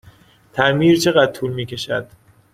تعمیر چقدر طول می کشد؟